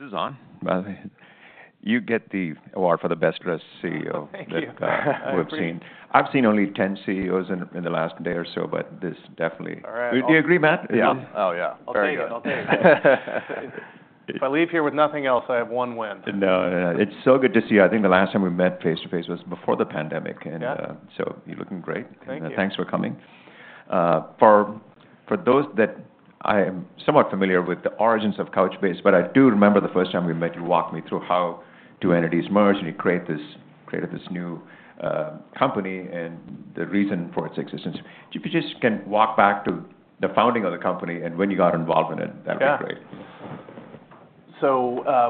Susan, by the way, you get the award for the best dressed CEO. Thank you. That we've seen. I've seen only 10 CEOs in the last day or so, but this definitely. All right. Did you agree, Matt? Yeah. Oh, yeah. I leave here with nothing else, I have one win. No. It's so good to see you. I think the last time we met face-to-face was before the pandemic, and Yeah So you're looking great. Thank you. Thanks for coming. For those that I am somewhat familiar with the origins of Couchbase, but I do remember the first time we met, you walked me through how two entities merge, and you created this new company, and the reason for its existence. If you just can walk back to the founding of the company and when you got involved in it, that'd be great.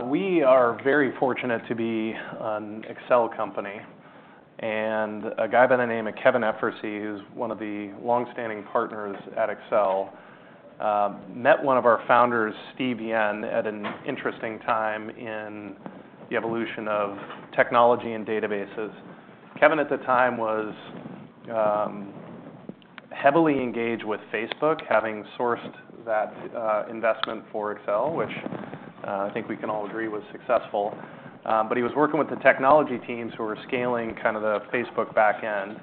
We are very fortunate to be an Accel company, and a guy by the name of Kevin Efrusy, who's one of the long-standing partners at Accel, met one of our founders, Steve Yen, at an interesting time in the evolution of technology and databases. Kevin, at the time, was heavily engaged with Facebook, having sourced that investment for Accel, which I think we can all agree was successful. But he was working with the technology teams who were scaling the Facebook back end,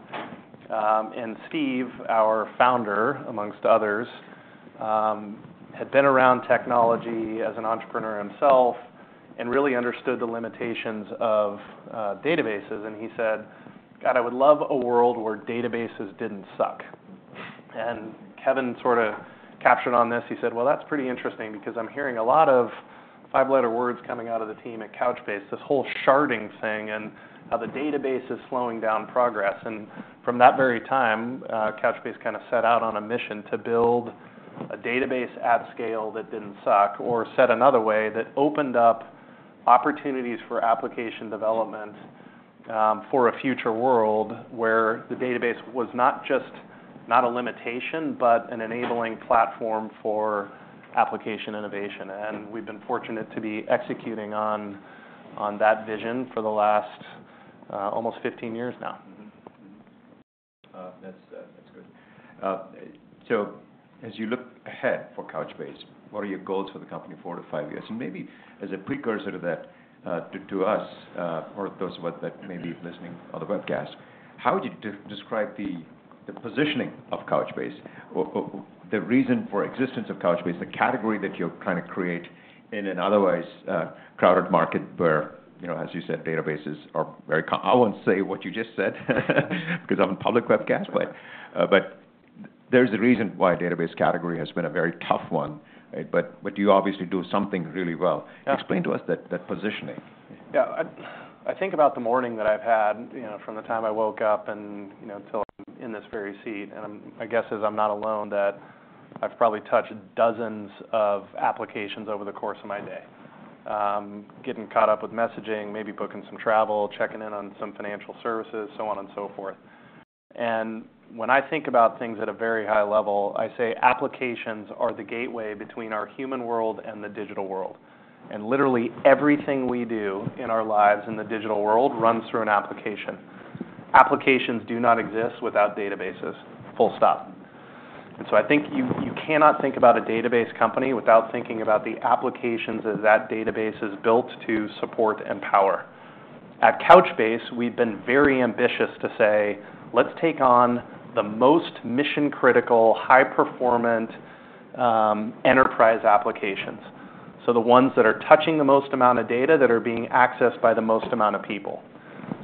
and Steve, our founder, amongst others, had been around technology as an entrepreneur himself and really understood the limitations of databases. And he said, "God, I would love a world where databases didn't suck." And Kevin captured on this. He said, "Well, that's pretty interesting because I'm hearing a lot of five-letter words coming out of the team at Couchbase, this whole sharding thing and how the database is slowing down progress." And from that very time, Couchbase set out on a mission to build a database at scale that didn't suck, or said another way, that opened up opportunities for application development, for a future world, where the database was not just a limitation, but an enabling platform for application innovation. And we've been fortunate to be executing on that vision for the last, almost 15 years now. That's good, so as you look ahead for Couchbase, what are your goals for the company, 4 to 5 years? And maybe as a precursor to that, to us or those of us that may be listening on the webcast, how would you describe the positioning of Couchbase or the reason for existence of Couchbase, the category that you're trying to create in an otherwise crowded market where as you said, databases are very com-- I won't say what you just said, because I'm on public webcast. But there's a reason why database category has been a very tough one, right? But you obviously do something really well. Explain to us that positioning. I think about the morning that I've had from the time I woke up and till I'm in this very seat, and I guess, as I'm not alone, that I've probably touched dozens of applications over the course of my day. Getting caught up with messaging, maybe booking some travel, checking in on some financial services, so on and so forth. When I think about things at a very high level, I say applications are the gateway between our human world and the digital world, and literally everything we do in our lives in the digital world runs through an application. Applications do not exist without databases, full stop. So I think you cannot think about a database company without thinking about the applications that that database is built to support and power. At Couchbase, we've been very ambitious to say: Let's take on the most mission-critical, high-performance, enterprise applications. So the ones that are touching the most amount of data, that are being accessed by the most amount of people.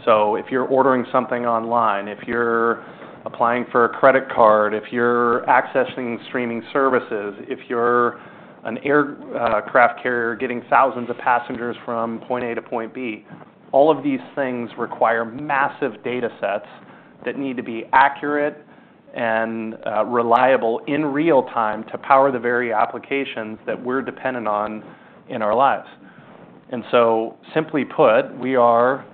So if you're ordering something online, if you're applying for a credit card, if you're accessing streaming services, if you're an aircraft carrier getting thousands of passengers from point A to point B, all of these things require massive datasets that need to be accurate and reliable in real time to power the very applications that we're dependent on in our lives, and so simply put, we are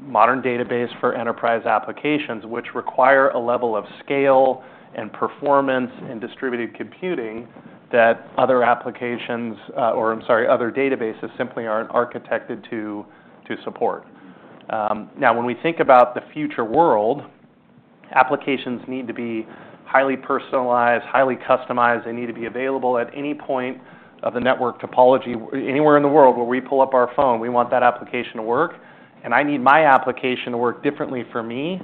modern database for enterprise applications, which require a level of scale and performance and distributed computing that other applications, or I'm sorry, other databases simply aren't architected to support. Now, when we think about the future world, applications need to be highly personalized, highly customized. They need to be available at any point of the network topology. Anywhere in the world where we pull up our phone, we want that application to work, and I need my application to work differently for me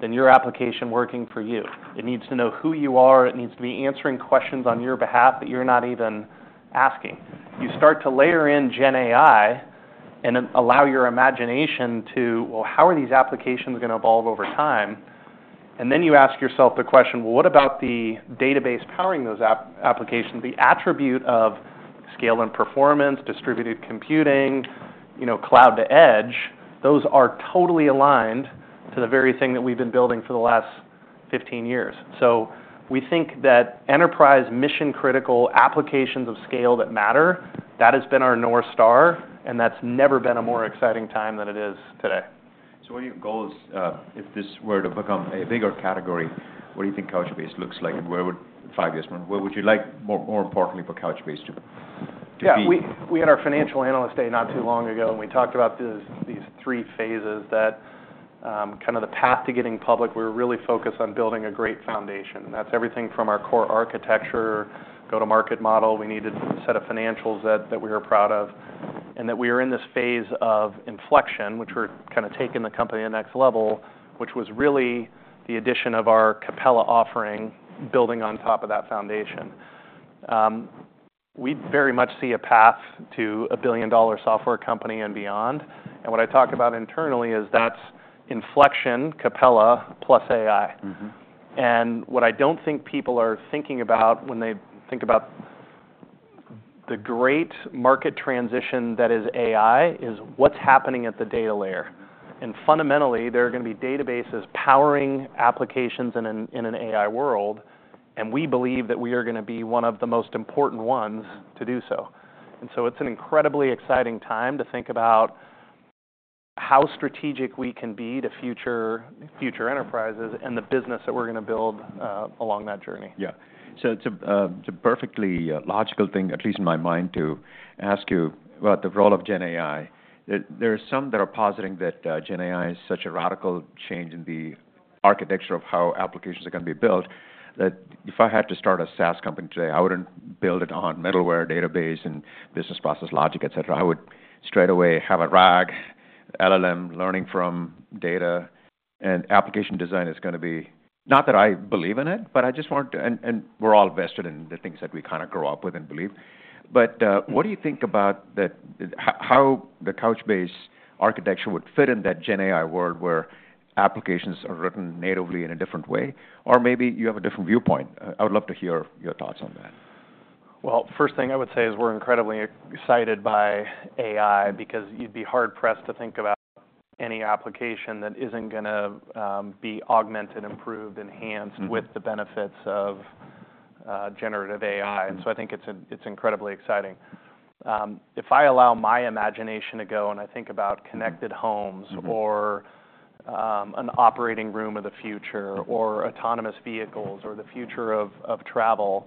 than your application working for you. It needs to know who you are. It needs to be answering questions on your behalf that you're not even asking. You start to layer in GenAI and then allow your imagination to well, how are these applications gonna evolve over time? And then you ask yourself the question, well, what about the database powering those applications? The attribute of scale and performance, distributed computing, you know, cloud to edge, those are totally aligned to the very thing that we've been building for the last fifteen years. So we think that enterprise mission-critical applications of scale that matter, that has been our North Star, and that's never been a more exciting time than it is today. So what are your goals? If this were to become a bigger category, what do you think Couchbase looks like, and where would, five years from now, where would you like more importantly, for Couchbase to be? We had our financial analyst day not too long ago, and we talked about these three phases that kind of the path to getting public. We were really focused on building a great foundation. That's everything from our core architecture, go-to-market model. We needed a set of financials that we were proud of, and that we are in this phase of inflection, which we're kind of taking the company to the next level, which was really the addition of our Capella offering, building on top of that foundation. We very much see a path to a billion-dollar software company and beyond. And what I talk about internally is that's Inflection, Capella, plus AI. What I don't think people are thinking about when they think about the great market transition that is AI is what's happening at the data layer. Fundamentally, there are gonna be databases powering applications in an AI world, and we believe that we are gonna be one of the most important ones to do so. So it's an incredibly exciting time to think about how strategic we can be to future enterprises and the business that we're gonna build along that journey. Yeah. So it's a perfectly logical thing, at least in my mind, to ask you about the role of GenAI. There are some that are positing that GenAI is such a radical change in the architecture of how applications are gonna be built, that if I had to start a SaaS company today, I wouldn't build it on middleware, database, and business process logic, et cetera. I would straightaway have a RAG, LLM, learning from data, and application design is gonna be, not that I believe in it, but I just want to, and we're all vested in the things that we kinda grow up with and believe. But what do you think about how the Couchbase architecture would fit in that GenAI world, where applications are written natively in a different way? Or maybe you have a different viewpoint. I would love to hear your thoughts on that. First thing I would say is we're incredibly excited by AI, because you'd be hard-pressed to think about any application that isn't gonna be augmented, improved, enhanced with the benefits of generative AI. So I think it's, it's incredibly exciting. If I allow my imagination to go, and I think about connected homes. Or an operating room of the future. Or autonomous vehicles or the future of travel,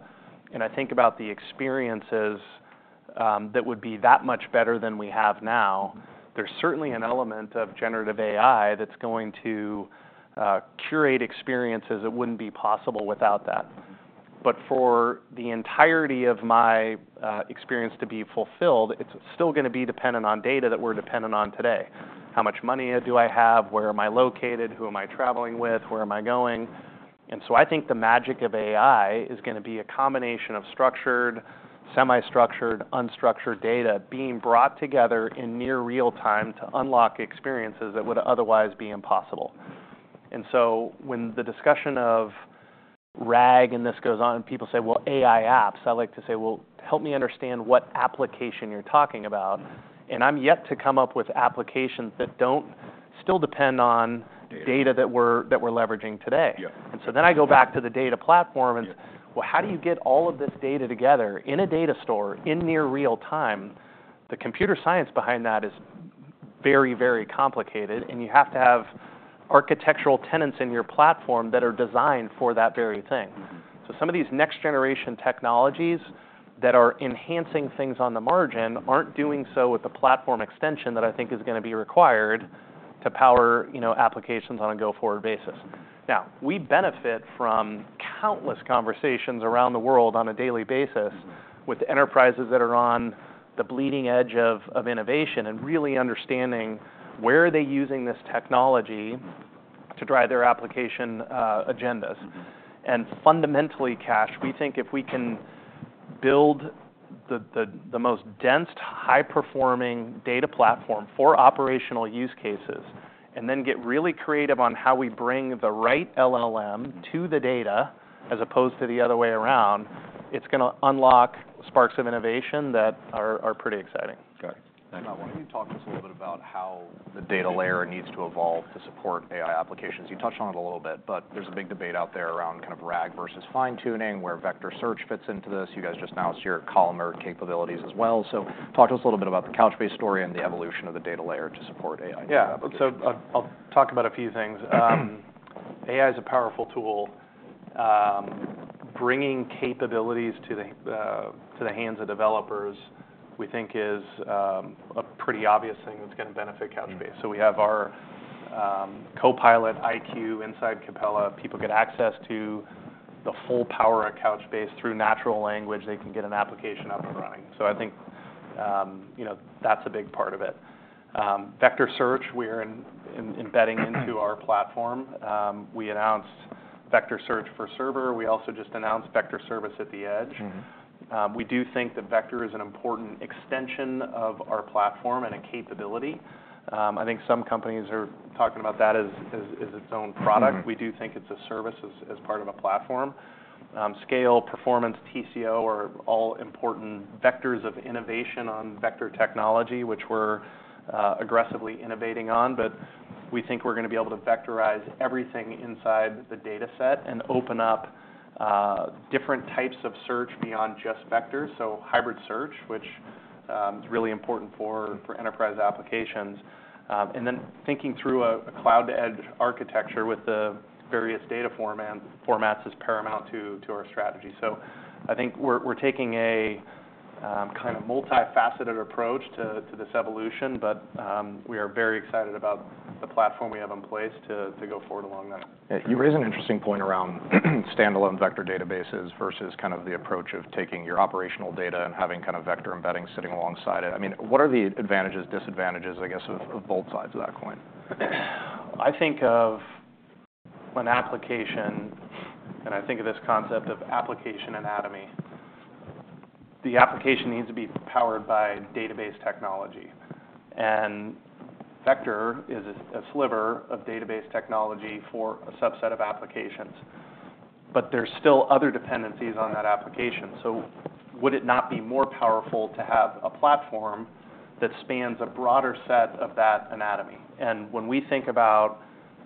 and I think about the experiences that would be that much better than we have now. There's certainly an element of generative AI that's going to curate experiences that wouldn't be possible without that. But for the entirety of my experience to be fulfilled, it's still gonna be dependent on data that we're dependent on today. How much money do I have? Where am I located? Who am I traveling with? Where am I going? And so I think the magic of AI is gonna be a combination of structured, semi-structured, unstructured data being brought together in near real-time to unlock experiences that would otherwise be impossible. And so when the discussion of RAG and this goes on, and people say, "Well, AI apps," I like to say: Well, help me understand what application you're talking about. And I'm yet to come up with applications that don't still depend on data that we're leveraging today. And so then I go back to the data platform and... Well, how do you get all of this data together in a data store in near real time? The computer science behind that is very complicated, and you have to have architectural tenets in your platform that are designed for that very thing. So some of these next-generation technologies that are enhancing things on the margin aren't doing so with the platform extension that I think is gonna be required to power, you know, applications on a go-forward basis. Now, we benefit from countless conversations around the world on a daily basis with enterprises that are on the bleeding edge of innovation, and really understanding where are they using this technology. To drive their application agendas. And fundamentally, Kash, we think if we can build the most dense, high-performing data platform for operational use cases, and then get really creative on how we bring the right LLM. To the data, as opposed to the other way around, it's gonna unlock sparks of innovation that are pretty exciting. Got it. Thank you. Why don't you talk to us a little bit about how the data layer needs to evolve to support AI applications? You touched on it a little bit, but there's a big debate out there around kind of RAG versus fine-tuning, where vector search fits into this. You guys just announced your columnar capabilities as well. So talk to us a little bit about the Couchbase story and the evolution of the data layer to support AI. I'll talk about a few things. AI is a powerful tool. Bringing capabilities to the hands of developers, we think is a pretty obvious thing that's gonna benefit Couchbase. So we have our copilotIQ inside Capella. People get access to the full power of Couchbase through natural language. They can get an application up and running. So I think, you know, that's a big part of it. Vector search, we're embedding into our platform. We announced vector search for Server. We also just announced vector service at the edge. We do think that vector is an important extension of our platform and a capability. I think some companies are talking about that as its own product. We do think it's a service as part of a platform. Scale, performance, TCO, are all important vectors of innovation on vector technology, which we're aggressively innovating on. But we think we're gonna be able to vectorize everything inside the dataset and open up different types of search beyond just vectors. So hybrid search, which is really importan. For enterprise applications, and then thinking through a cloud-to-edge architecture with the various data formats is paramount to our strategy, so I think we're taking a kind of multifaceted approach to this evolution, but we are very excited about the platform we have in place to go forward along that. You raise an interesting point around standalone vector databases versus kind of the approach of taking your operational data and having kind of vector embedding sitting alongside it. I mean, what are the advantages, disadvantages, I guess, of both sides of that coin? I think of an application, and I think of this concept of application anatomy. The application needs to be powered by database technology, and vector is a sliver of database technology for a subset of applications. But there's still other dependencies on that application, so would it not be more powerful to have a platform that spans a broader set of that anatomy? And when we think about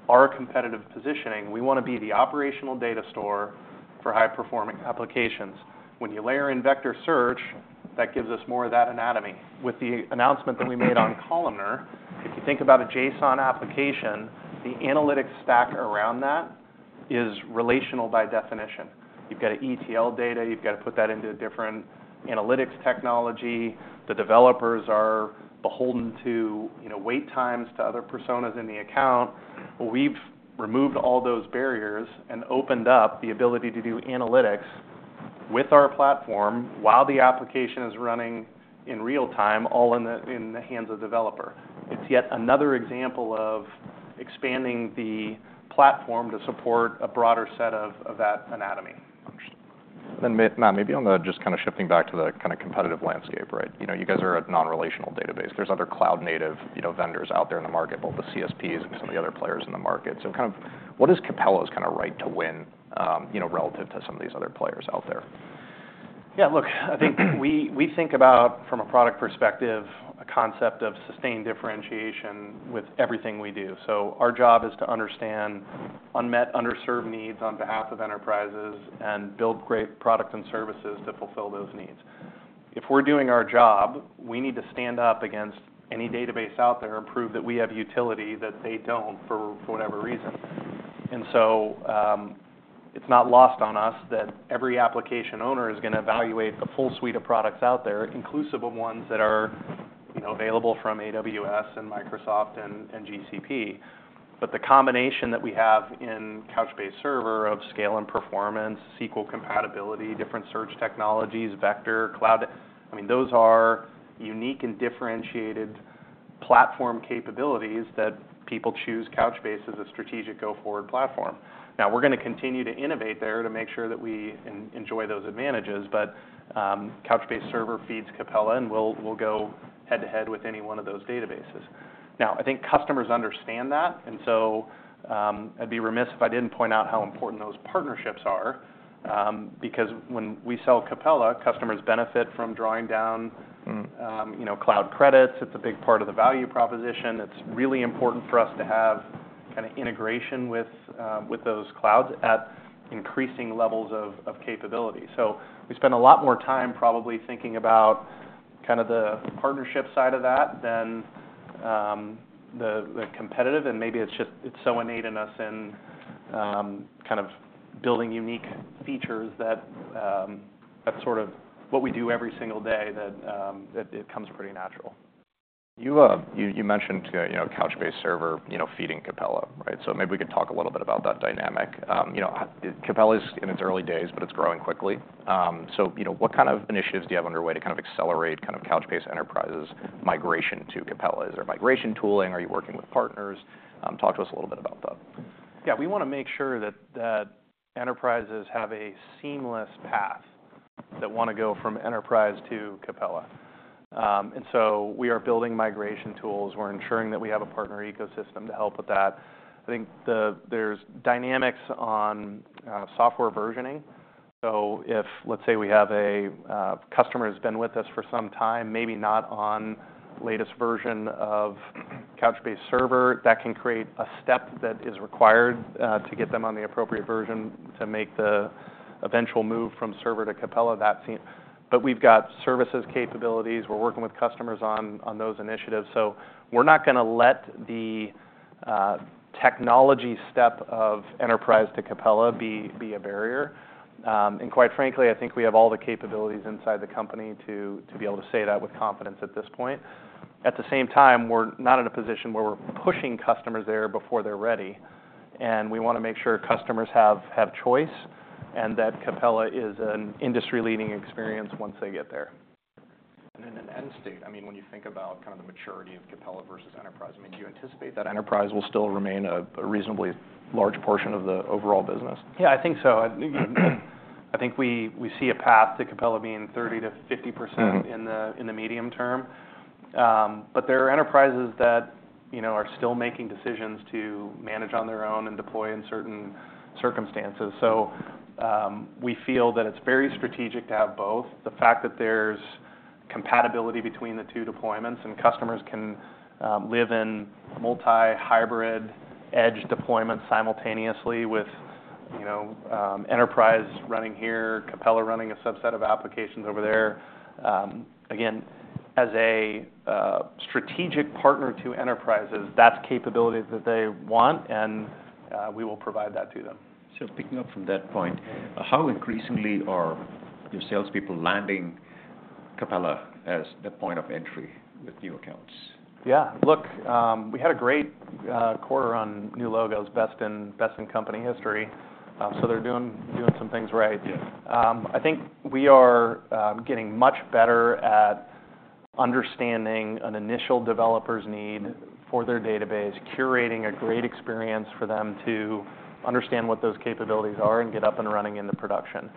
our competitive positioning, we want to be the operational data store for high-performing applications. When you layer in vector search, that gives us more of that anatomy. With the announcement that we made on columnar, if you think about a JSON application, the analytics stack around that is relational by definition. You've got ETL data, you've got to put that into a different analytics technology. The developers are beholden to wait times to other personas in the account. We've removed all those barriers and opened up the ability to do analytics with our platform while the application is running in real time, all in the hands of developer. It's yet another example of expanding the platform to support a broader set of that anatomy. Then, Matt, maybe on the just kind of shifting back to the kind of competitive landscape, right? You know, you guys are a non-relational database. There's other cloud native, you know, vendors out there in the market, both the CSPs and some of the other players in the market. So kind of what is Capella's kind of right to win, you know, relative to some of these other players out there? Look, I think we think about, from a product perspective, a concept of sustained differentiation with everything we do. So our job is to understand unmet, underserved needs on behalf of enterprises and build great product and services to fulfill those needs. If we're doing our job, we need to stand up against any database out there and prove that we have utility that they don't, for whatever reason. And so, it's not lost on us that every application owner is going to evaluate a full suite of products out there, inclusive of ones that are, you know, available from AWS and Microsoft and GCP. But the combination that we have in Couchbase Server of scale and performance, SQL compatibility, different search technologies, vector, cloud, I mean, those are unique and differentiated platform capabilities that people choose Couchbase as a strategic go forward platform. Now, we're going to continue to innovate there to make sure that we enjoy those advantages, but Couchbase Server feeds Capella, and we'll go head-to-head with any one of those databases. Now, I think customers understand that, and so I'd be remiss if I didn't point out how important those partnerships are, because when we sell Capella, customers benefit from drawing down cloud credits. It's a big part of the value proposition. It's really important for us to have kind of integration with those clouds at increasing levels of capability. So we spend a lot more time probably thinking about kind of the partnership side of that than the competitive, and maybe it's just, it's so innate in us kind of building unique features that that's sort of what we do every single day, that it comes pretty natural. You mentioned Couchbase Server feeding Capella, right? So maybe we could talk a little bit about that dynamic. You know, Capella is in its early days, but it's growing quickly. So you know, what kind of initiatives do you have underway to kind of accelerate kind of Couchbase enterprises migration to Capella? Is there migration tooling? Are you working with partners? Talk to us a little bit about that. Yeah, we want to make sure that enterprises have a seamless path that want to go from enterprise to Capella, and so we are building migration tools. We're ensuring that we have a partner ecosystem to help with that. I think there's dynamics on software versioning. So if let's say we have a customer who's been with us for some time, maybe not on latest version of Couchbase Server, that can create a step that is required to get them on the appropriate version to make the eventual move from server to Capella, that scene. But we've got services capabilities. We're working with customers on those initiatives, so we're not going to let the technology step of enterprise to Capella be a barrier. And quite frankly, I think we have all the capabilities inside the company to be able to say that with confidence at this point. At the same time, we're not in a position where we're pushing customers there before they're ready, and we want to make sure customers have choice, and that Capella is an industry-leading experience once they get there. In an end state, I mean, when you think about the maturity of Capella versus enterprise, I mean, do you anticipate that enterprise will still remain a, a reasonably large portion of the overall business? Yeah, I think so. I think we see a path to Capella being 30% - 50% in the medium term. But there are enterprises that are still making decisions to manage on their own and deploy in certain circumstances. So, we feel that it's very strategic to have both. The fact that there's compatibility between the two deployments, and customers can live in multi-hybrid edge deployments simultaneously with, you know, enterprise running here, Capella running a subset of applications over there. As a strategic partner to enterprises, that's capabilities that they want, and we will provide that to them. So picking up from that point, how increasingly are your salespeople landing Capella as the point of entry with new accounts? Look, we had a great quarter on new logos, best in company history. So they're doing some things right. I think we are getting much better at understanding an initial developer's need for their database, curating a great experience for them to understand what those capabilities are, and get up and running into production.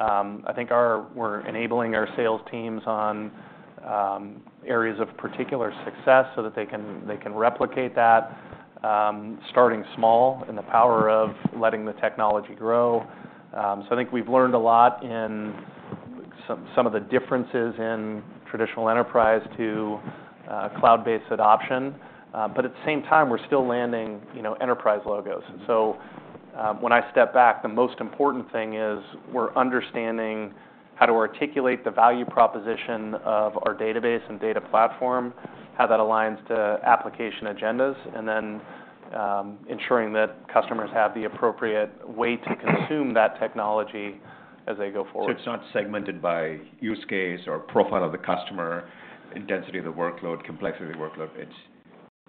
I think we're enabling our sales teams on areas of particular success so that they can replicate that, starting small in the power of letting the technology grow. I think we've learned a lot in some of the differences in traditional enterprise to cloud-based adoption. But at the same time, we're still landing enterprise logos. When I step back, the most important thing is we're understanding how to articulate the value proposition of our database and data platform, how that aligns to application agendas, and then ensuring that customers have the appropriate way to consume that technology as they go forward. So it's not segmented by use case or profile of the customer, intensity of the workload, complexity of the workload, it's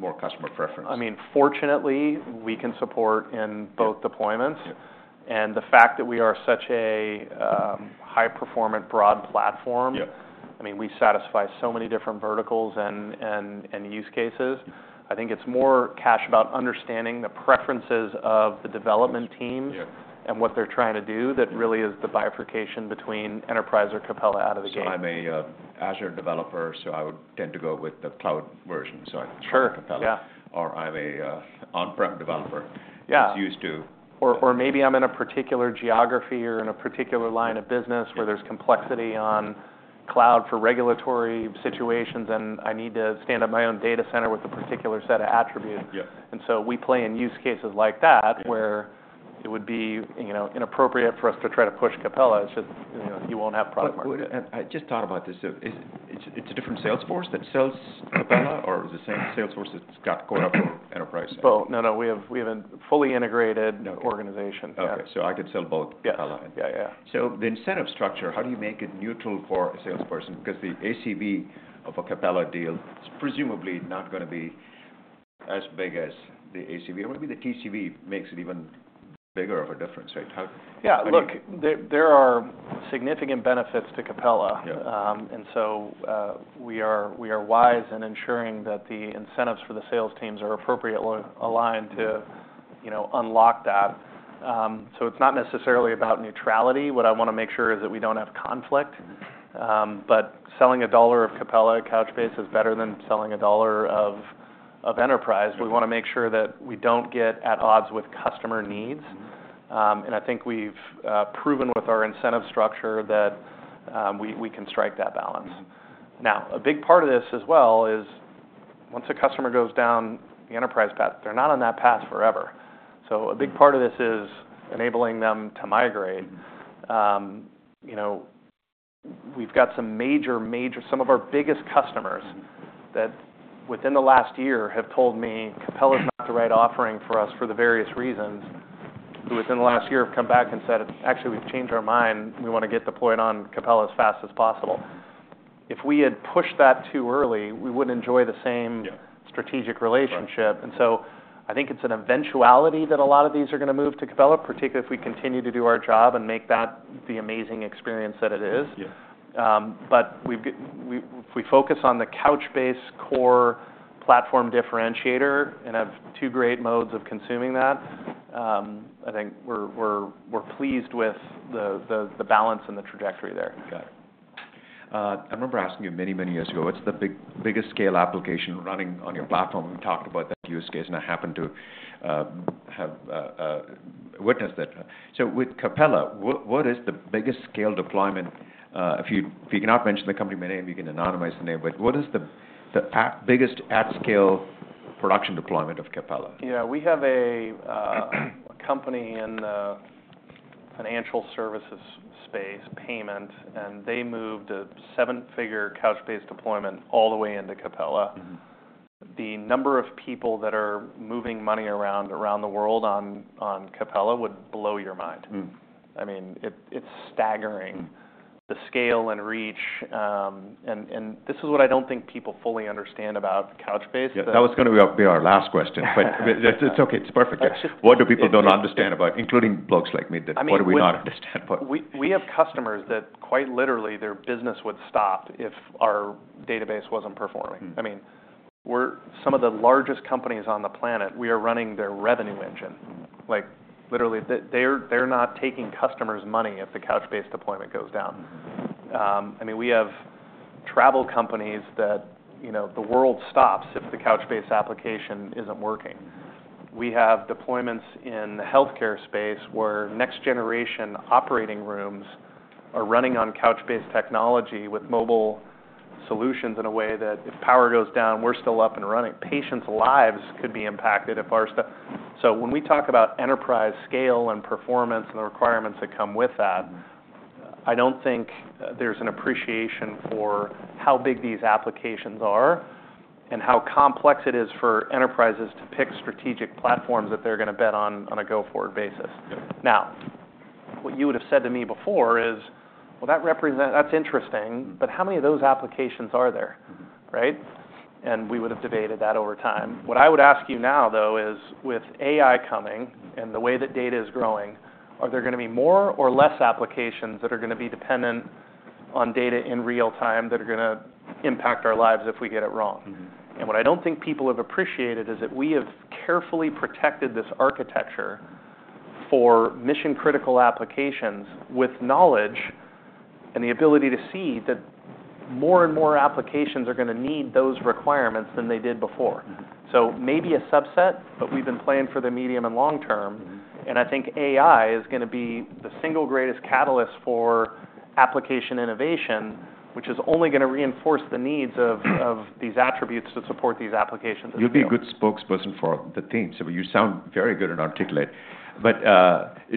more customer preference? I mean, fortunately, we can support in both deployments. And the fact that we are such a high-performant, broad platform. I mean, we satisfy so many different verticals and use cases. I think it's more, Kash, about understanding the preferences of the development teams and what they're trying to do. That really is the bifurcation between enterprise or Capella out of the gate. So I'm a Azure developer, so I would tend to go with the cloud version, so I choose Capella. Sure. Or I'm a on-prem developer that's used to- Or, maybe I'm in a particular geography or in a particular line of business where there's complexity on cloud for regulatory situations, and I need to stand up my own data center with a particular set of attributes and so we play in use cases like that. Where it would be, you know, inappropriate for us to try to push Capella. It's just, you know, you won't have product market. But I just thought about this. So is it a different sales force that sells Capella, or the same sales force that's going after enterprise? No, we have a fully integrated organization. Okay. So I could sell both Capella and- Yeah. So the incentive structure, how do you make it neutral for a salesperson? Because the ACV of a Capella deal is presumably not gonna be as big as the ACV. Or maybe the TCV makes it even bigger of a difference, right? Yeah. Look, there are significant benefits to Capella. And so, we are wise in ensuring that the incentives for the sales teams are appropriately aligned to, you know, unlock that. So it's not necessarily about neutrality. What I wanna make sure is that we don't have conflict. But selling a dollar of Capella at Couchbase is better than selling a dollar of enterprise. We wanna make sure that we don't get at odds with customer needs. I think we've proven with our incentive structure that we can strike that balance. Now, a big part of this as well is, once a customer goes down the enterprise path, they're not on that path forever. So a big part of this is enabling them to migrate. We've got some major. Some of our biggest customers that within the last year have told me, "Capella is not the right offering for us," for the various reasons, who within the last year have come back and said, "Actually, we've changed our mind. We wanna get deployed on Capella as fast as possible." If we had pushed that too early, we wouldn't enjoy the same strategic relationship. And so I think it's an eventuality that a lot of these are gonna move to Capella, particularly if we continue to do our job and make that the amazing experience that it is. But if we focus on the Couchbase core platform differentiator and have two great modes of consuming that, I think we're pleased with the balance and the trajectory there. Got it. I remember asking you many, many years ago, what's the biggest scale application running on your platform? We talked about that use case, and I happened to have witnessed it. So with Capella, what is the biggest scale deployment? If you cannot mention the company by name, you can anonymize the name, but what is the biggest at-scale production deployment of Capella? We have a company in the financial services space, payment, and they moved a seven-figure Couchbase deployment all the way into Capella. The number of people that are moving money around the world on Capella would blow your mind. I mean, it's staggering. The scale and reach, and this is what I don't think people fully understand about Couchbase. Yeah, that was gonna be our last question. But it's okay. It's perfect. What do people don't understand about, including blokes like me, what do we not understand about? We have customers that, quite literally, their business would stop if our database wasn't performing. I mean, some of the largest companies on the planet, we are running their revenue engine. Like, literally, they're not taking customers' money if the Couchbase deployment goes down. I mean, we have travel companies that, you know, the world stops if the Couchbase application isn't working. We have deployments in the healthcare space, where next-generation operating rooms are running on Couchbase technology with mobile solutions in a way that if power goes down, we're still up and running. Patients' lives could be impacted if our stuff. So when we talk about enterprise scale and performance and the requirements that come with that. I don't think there's an appreciation for how big these applications are, and how complex it is for enterprises to pick strategic platforms that they're going to bet on, on a go-forward basis. Now, what you would have said to me before is, "Well, that's interesting, but how many of those applications are there? Right, and we would have debated that over time. What I would ask you now, though, is with AI coming and the way that data is growing, are there gonna be more or less applications that are gonna be dependent on data in real time, that are gonna impact our lives if we get it wrong? What I don't think people have appreciated is that we have carefully protected this architecture for mission-critical applications with knowledge, and the ability to see that more and more applications are gonna need those requirements than they did before. So maybe a subset, but we've been planning for the medium and long term. I think AI is gonna be the single greatest catalyst for application innovation, which is only gonna reinforce the needs of these attributes to support these applications as well. You'd be a good spokesperson for the team. So you sound very good and articulate. But,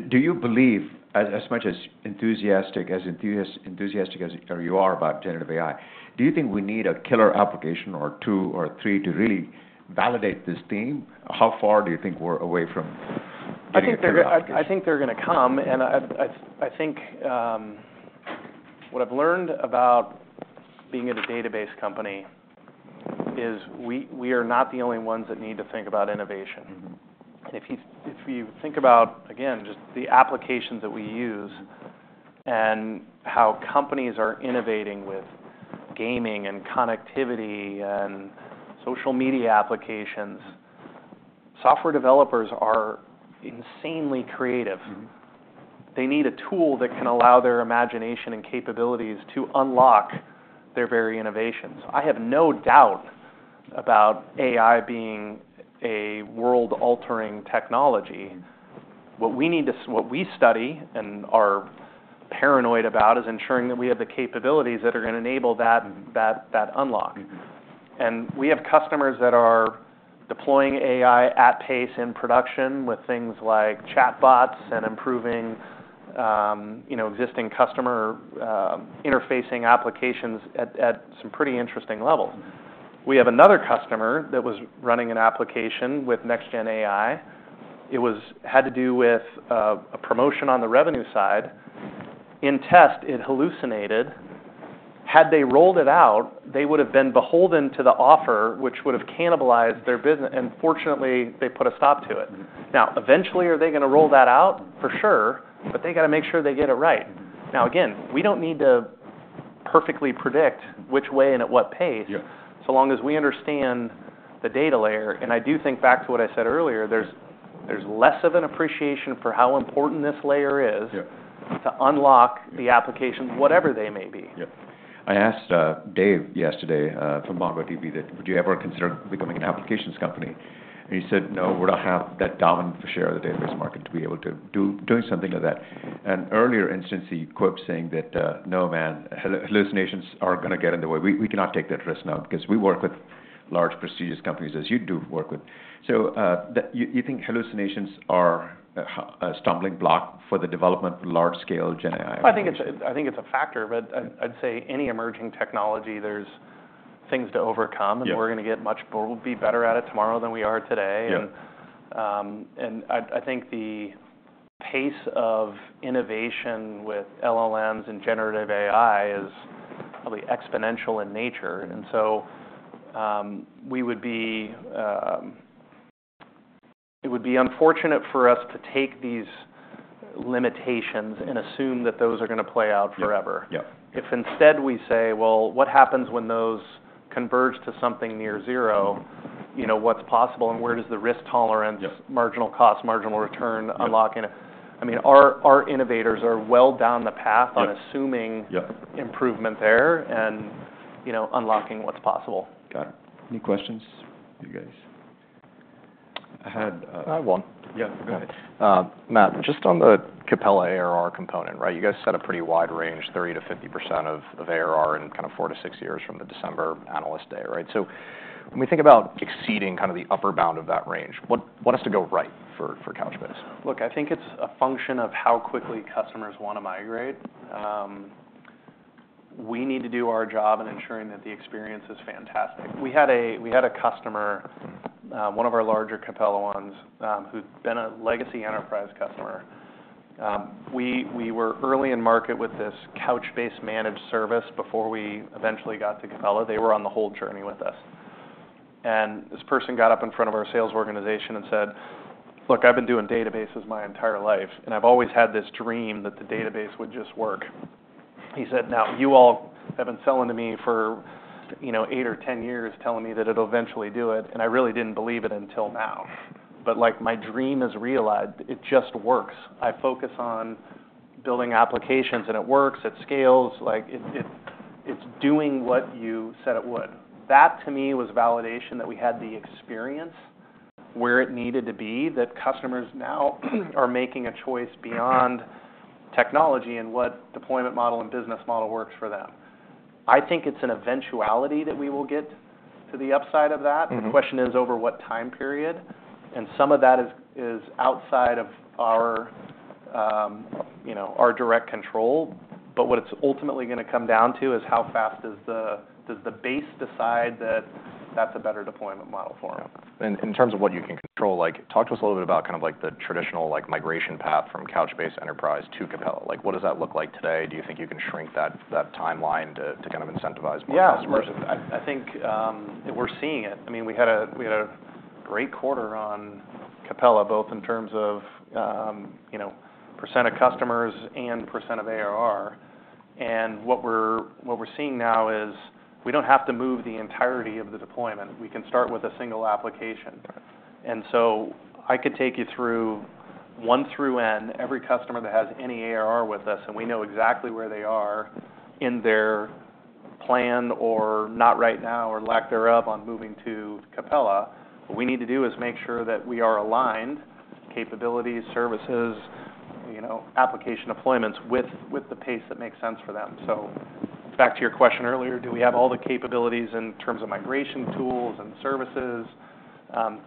do you believe, as enthusiastic as you are about generative AI, do you think we need a killer application or two or three to really validate this theme? How far do you think we're away from getting a killer application? I think they're gonna come, and I think what I've learned about being at a database company is we are not the only ones that need to think about innovation. If you think about, again, just the applications that we use and how companies are innovating with gaming and connectivity and social media applications, software developers are insanely creative. They need a tool that can allow their imagination and capabilities to unlock their very innovations. I have no doubt about AI being a world-altering technology. What we study and are paranoid about is ensuring that we have the capabilities that are gonna enable that unlock. We have customers that are deploying AI at pace in production with things like chatbots and improving, you know, existing customer interfacing applications at some pretty interesting levels. We have another customer that was running an application with NextGenAI. It had to do with a promotion on the revenue side. In test, it hallucinated. Had they rolled it out, they would have been beholden to the offer, which would have cannibalized their business, and fortunately, they put a stop to it. Now, eventually, are they gonna roll that out? For sure, but they gotta make sure they get it right. Now, again, we don't need to perfectly predict which way and at what pace, so long as we understand the data layer. And I do think back to what I said earlier, there's less of an appreciation for how important this layer is to unlock the applications, whatever they may be. Yeah. I asked Dave yesterday from MongoDB that, "Would you ever consider becoming an applications company?" And he said, "No, we don't have that dominant share of the database market to be able to do doing something like that." And earlier instance, he quotes saying that, "No, man, hallucinations are gonna get in the way. We cannot take that risk now because we work with large, prestigious companies," as you do work with. So you think hallucinations are a stumbling block for the development of large-scale GenAI? I think it's a factor, but I'd say any emerging technology, there's things to overcome, and we're gonna get much better at it tomorrow than we are today. And I think the pace of innovation with LLMs and generative AI is probably exponential in nature, and so we would be. It would be unfortunate for us to take these limitations and assume that those are gonna play out forever. If instead we say, "Well, what happens when those converge to something near zero? You know, what's possible and where does the risk tolerance marginal cost, marginal return, unlocking it? I mean, our innovators are well down the path on assuming improvement there and unlocking what's possible. Got it. Any questions, you guys? I have one. Yeah, go ahead. Matt, just on the Capella ARR component, right? You guys set a pretty wide range, 30%-50% of ARR in 4 to 6 years from the December analyst day, right? So when we think about exceeding kind of the upper bound of that range, what has to go right for Couchbase? Look, I think it's a function of how quickly customers wanna migrate. We need to do our job in ensuring that the experience is fantastic. We had a customer, one of our larger Capella ones, who'd been a legacy enterprise customer. We were early in market with this Couchbase managed service before we eventually got to Capella. They were on the whole journey with us. And this person got up in front of our sales organization and said: "Look, I've been doing databases my entire life, and I've always had this dream that the database would just work." He said, "Now, you all have been selling to me for, you know, eight or 10 years, telling me that it'll eventually do it, and I really didn't believe it until now. But, like, my dream is realized. It just works. I focus on building applications, and it works, it scales. Like, it’s doing what you said it would." That, to me, was validation that we had the experience where it needed to be, that customers now are making a choice beyond technology and what deployment model and business model works for them... I think it's an eventuality that we will get to the upside of that. The question is over what time period? And some of that is outside of our direct control. But what it's ultimately gonna come down to is how fast does the base decide that that's a better deployment model for them? In terms of what you can control, like, talk to us a little bit about kind of like the traditional, like, migration path from Couchbase enterprise to Capella. Like, what does that look like today? Do you think you can shrink that timeline to kind of incentivize more customers? Yeah. I think we're seeing it. I mean, we had a great quarter on Capella, both in terms of you know, percent of customers and percent of ARR. And what we're seeing now is we don't have to move the entirety of the deployment. We can start with a single application. And so I could take you through one through N, every customer that has any ARR with us, and we know exactly where they are in their plan or not right now, or lack thereof, on moving to Capella. What we need to do is make sure that we are aligned, capabilities, services, you know, application deployments, with the pace that makes sense for them. So back to your question earlier, do we have all the capabilities in terms of migration tools and services,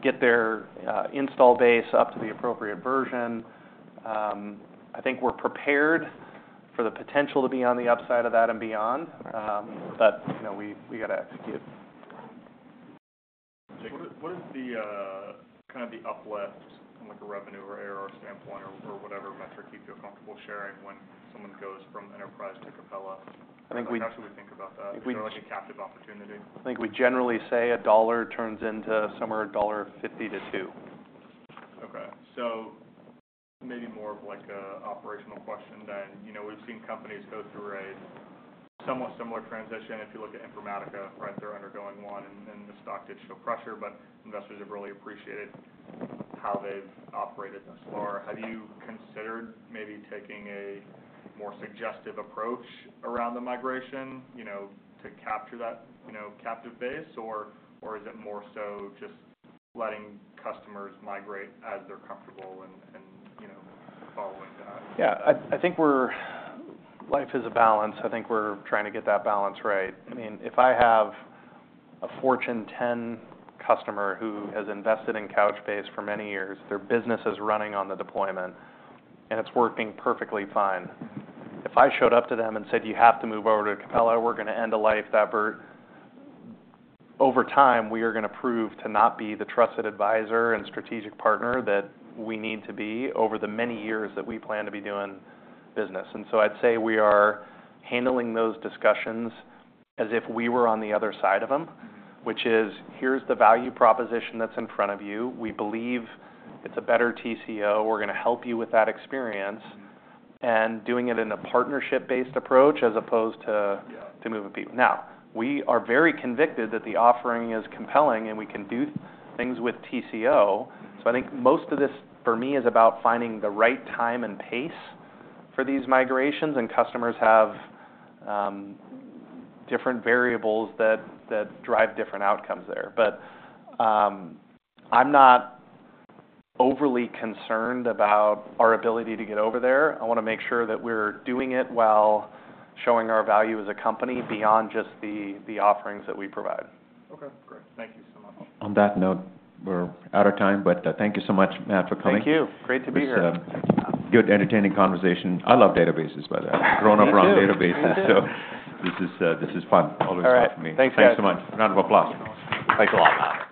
get their install base up to the appropriate version? I think we're prepared for the potential to be on the upside of that and beyond. But, you know, we gotta execute. What is the kind of the uplift from a revenue or ARR standpoint or whatever metric you feel comfortable sharing when someone goes from enterprise to Capella? How should we think about that? Is there, like, a captive opportunity? I think we generally say a dollar turns into somewhere $1.50-$2. Okay. So maybe more of like an operational question than. We've seen companies go through a somewhat similar transition. If you look at Informatica, right, they're undergoing one, and then the stock did show pressure, but investors have really appreciated how they've operated thus far. Have you considered maybe taking a more suggestive approach around the migration to capture that captive base? Or is it more so just letting customers migrate as they're comfortable and, and, you know, following that? I think life is a balance. I think we're trying to get that balance right. I mean, if I have a Fortune 10 customer who has invested in Couchbase for many years, their business is running on the deployment, and it's working perfectly fine. If I showed up to them and said, "You have to move over to Capella, we're gonna end of life that version," over time, we are gonna prove to not be the trusted advisor and strategic partner that we need to be over the many years that we plan to be doing business. And so I'd say we are handling those discussions as if we were on the other side of them, which is: Here's the value proposition that's in front of you. We believe it's a better TCO. We're gonna help you with that experience, and doing it in a partnership-based approach as opposed to moving people. Now, we are very convicted that the offering is compelling, and we can do things with TCO. So I think most of this, for me, is about finding the right time and pace for these migrations, and customers have different variables that drive different outcomes there. But, I'm not overly concerned about our ability to get over there. I wanna make sure that we're doing it while showing our value as a company beyond just the offerings that we provide. Okay, great. Thank you so much. On that note, we're out of time, but, thank you so much, Matt, for coming. Thank you. Great to be here. It's good, entertaining conversation. I love databases, by the way. Me too. Growing up around databases. Me too. This is fun. All right. Always fun for me. Thanks, guys. Thanks so much. Round of applause. Thanks a lot, Matt.